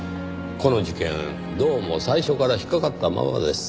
この事件どうも最初から引っかかったままです。